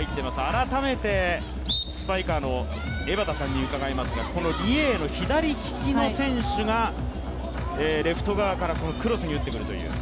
改めてスパイカーの江畑さんに伺いますが、リ・エイエイの左利きの選手がレフト側からクロスに打ってくるという？